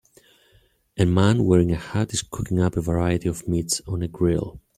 A man wearing a hat is cooking up a variety of meats on a grill.